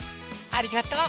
ありがと。